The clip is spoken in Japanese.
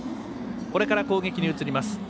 これから攻撃に移ります